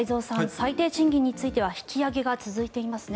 最低賃金については引き上げが続いていますね。